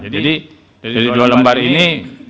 jadi dari dua lembar ini